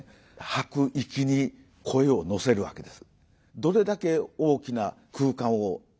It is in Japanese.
吐く息に声を乗せるわけです。